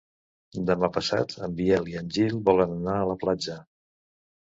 Demà passat en Biel i en Gil volen anar a la platja.